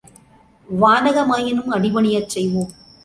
வானக மாயினும் அடிபணியச் செய்வோம்.